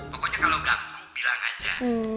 pokoknya kalau ganggu bilang aja